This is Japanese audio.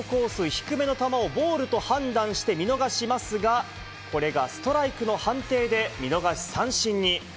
低めの球をボールと判断して見逃しますが、これがストライクの判定で見逃し三振に。